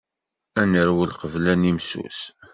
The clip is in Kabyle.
Ad nerwel qbel ad nimsus.